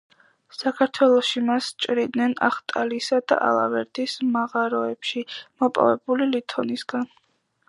საქართველოში მას ჭრიდნენ ახტალისა და ალავერდის მაღაროებში მოპოვებული ლითონისგან.